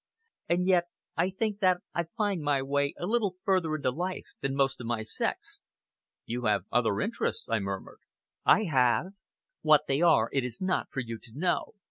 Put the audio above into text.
And yet I think that I find my way a little further into life than most of my sex." "You have other interests," I murmured. "I have! What they are it is not for you to know.